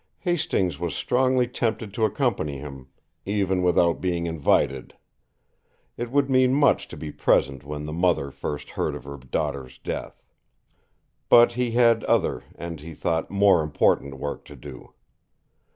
Hastings was strongly tempted to accompany him, even without being invited; it would mean much to be present when the mother first heard of her daughter's death. But he had other and, he thought, more important work to do.